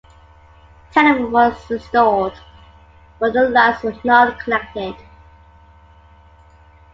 Telephones were installed, but the lines were not connected.